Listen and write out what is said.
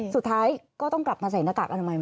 สุดท้ายก็ต้องกลับมาใส่หน้ากากอนามัย